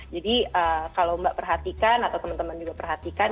jadi kalau mbak perhatikan atau teman teman juga perhatikan